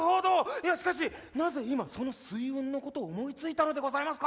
いやしかしなぜ今その水運のことを思いついたのでございますか？